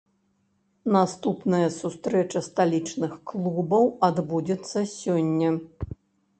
Наступная сустрэча сталічных клубаў адбудзецца сёння.